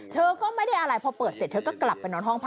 เธอก็ไม่ได้อะไรพอเปิดเสร็จเธอก็กลับไปนอนห้องพัก